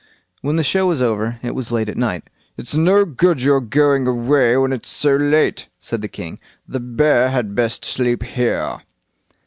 When the show was over, it was late at night. "It's no good your going away, when it's so late", said the king. "The bear had best sleep here."